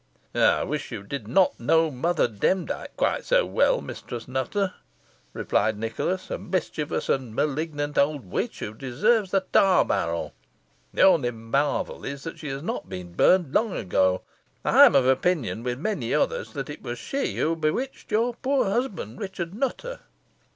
"I wish you did not know Mother Demdike quite so well, Mistress Nutter," remarked Nicholas "a mischievous and malignant old witch, who deserves the tar barrel. The only marvel is, that she has not been burned long ago. I am of opinion, with many others, that it was she who bewitched your poor husband, Richard Nutter."